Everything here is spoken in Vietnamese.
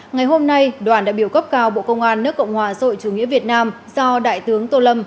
ngày hôm nay đoàn đại biểu cấp cao bộ công an nước cộng hòa rồi chủ nghĩa việt nam do đại tướng tô lâm